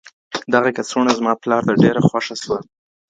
دغه کڅوڼه زما پلار ته ډېره خوښه سوه.